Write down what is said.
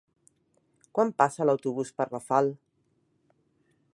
Quan passa l'autobús per Rafal?